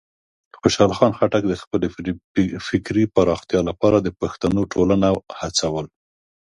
خوشحال خان خټک د خپلې فکري پراختیا لپاره د پښتنو ټولنه هڅول.